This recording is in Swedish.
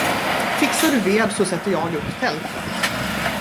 Fixar du ved så sätter jag upp tältet.